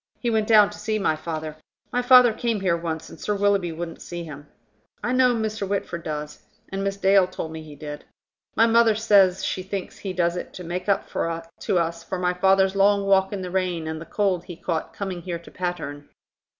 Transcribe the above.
He went down to see my father. My father came here once, and Sir Willoughby wouldn't see him. I know Mr. Whitford does. And Miss Dale told me he did. My mother says she thinks he does it to make up to us for my father's long walk in the rain and the cold he caught coming here to Patterne."